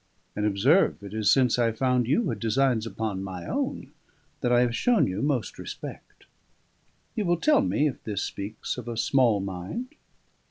And, observe, it is since I found you had designs upon my own that I have shown you most respect. You will tell me if this speaks of a small mind."